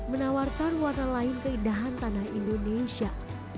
menawarkan warna lain keindahan tanah indonesia